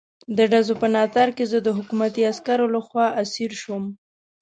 د ډزو په ناتار کې زه د حکومتي عسکرو لخوا اسیر شوم.